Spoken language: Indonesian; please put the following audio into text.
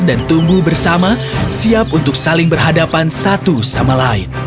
dan tumbuh bersama siap untuk saling berhadapan satu sama lain